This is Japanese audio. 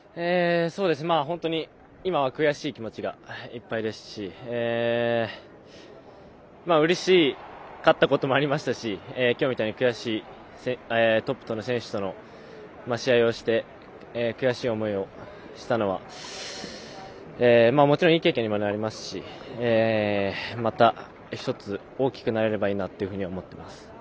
本当に今は悔しい気持ちがいっぱいですしうれしかったこともありましたし今日みたいに悔しいトップとの選手の試合をして悔しい思いをしたのはもちろん、いい経験になりますしまた、一つ大きくなれればいいなと思ってます。